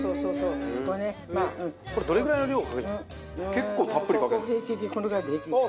結構たっぷりかけるんですか？